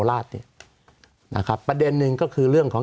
สวัสดีครับทุกคน